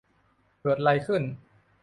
เกิดไรขึ้น ?